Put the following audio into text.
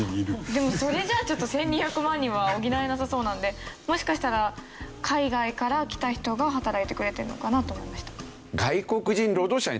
でもそれじゃあちょっと１２００万人は補えなさそうなのでもしかしたら海外から来た人が働いてくれてるのかなと思いました。